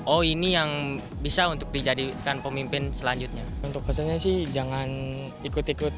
oh ini yang bisa untuk dijadikan pemimpin selanjutnya untuk pesannya sih jangan ikut ikut